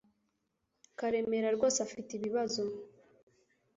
Karemera rwose afite ibibazo.